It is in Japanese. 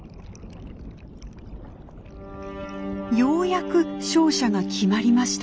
ようやく勝者が決まりました。